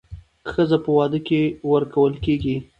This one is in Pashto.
ښځه په واده کې ورکول کېږي